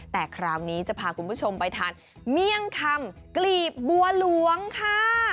แต่คราวนี้จะพาคุณผู้ชมไปทานเมี่ยงคำกลีบบัวหลวงค่ะ